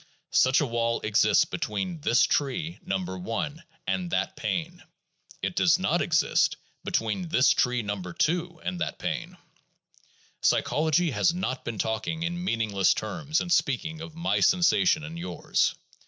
Such a wall exists between "this tree" No. 1 and that pain; it does not exist between "this tree" No. 2 and that pain. Psychology has not been talking in meaningless terms in speaking of my sensation and yours.